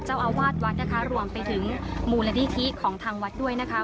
เจ้าอาวาสวัดนะคะรวมไปถึงมูลนิธิของทางวัดด้วยนะคะ